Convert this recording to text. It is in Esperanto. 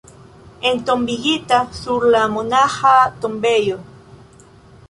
Entombigita sur la monaĥa tombejo.